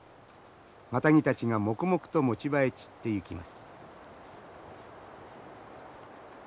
マタギたちが黙々と持ち場へ散ってゆきます。